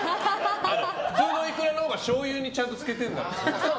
普通のいくらのほうがしょうゆにちゃんと漬けてるんだ。